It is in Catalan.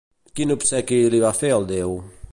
Quin obsequi li va fer el déu?